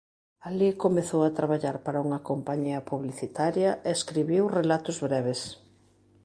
Alí comezou a traballar para unha compañía publicitaria e escribiu relatos breves.